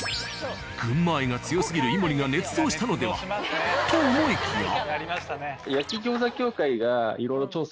群馬愛が強すぎる井森がねつ造したのでは？と思いきや。